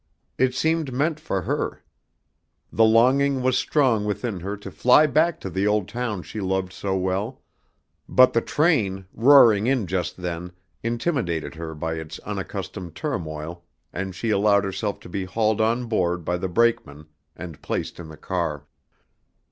It seemed meant for her. The longing was strong within her to fly back to the old town she loved so well; but the train, roaring in just then, intimidated her by its unaccustomed turmoil and she allowed herself to be hauled on board by the brakeman and placed in the car.